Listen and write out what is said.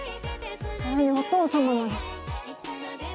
それにお父様まで。